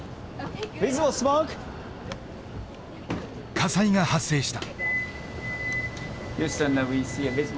火災が発生した。